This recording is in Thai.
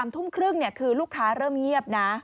ทุ่มครึ่งคือลูกค้าเริ่มเงียบนะ